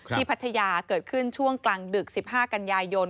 พัทยาเกิดขึ้นช่วงกลางดึก๑๕กันยายน